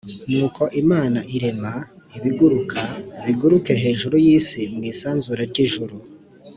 nuko imana irema ibiguruka biguruke hejuru y’isi mu isanzure ry’ijuru